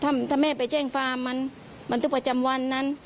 บอกว่าถ้าแม่ไปแจ้งฟาร์มมันทุกประจำวันนั้น